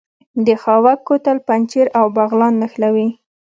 د خاوک کوتل پنجشیر او بغلان نښلوي